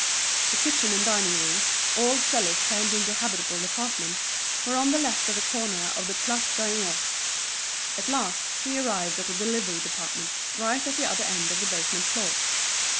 The kitchen and dining rooms, old cellars turned into habitable apartments, were on the left at the corner of the Place Gaillon. At last he arrived at the delivery department, right at the other end of the basement floor.